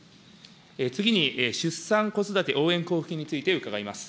次に、出産・子育て応援交付金について、伺います。